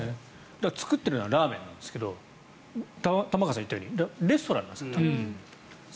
作っているのはラーメンなんですけど玉川さんが言ったようにレストランなんです。